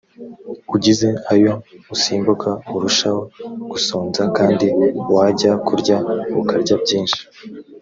ugize ayo usimbuka urushaho gusonza kandi wajya kurya ukarya byinshi